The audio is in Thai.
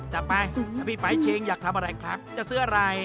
จะไปพี่ไปชิงอยากทำอะไรครับจะซื้ออะไร